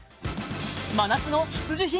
真夏の必需品！